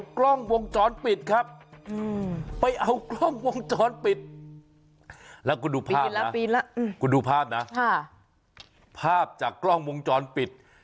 กล้องมงจรปิดแล้วกูดูภาพนะกูดูภาพนะภาพจากกล้องมงจรปิด